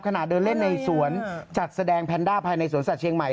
ขณะเดินเล่นในสวนจัดแสดงแพนด้าภายในสวนสัตว์เชียงใหม่